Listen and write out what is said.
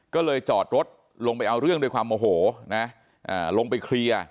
ก็เลยจอดรถลงไปเอาเรื่องด้วยความโมโหนะลงไปเคลียร์